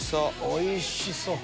おいしそう！